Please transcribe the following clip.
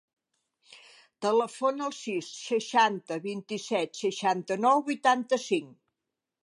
Telefona al sis, seixanta, vint-i-set, seixanta-nou, vuitanta-cinc.